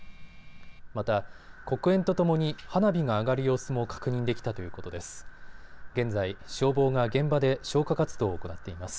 また黒煙とともに花火が上がる様子も確認できたということです。